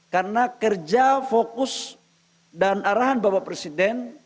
karena kerja fokus dan arahan bapak presiden